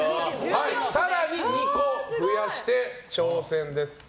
更に２個、増やして挑戦です。